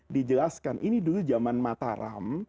dijelaskan ini dulu zaman mataram